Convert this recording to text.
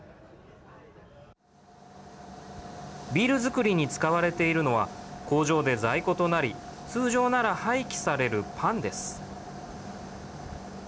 ビール造りに使われているのは工場で在庫となり通常なら廃棄されるパンです。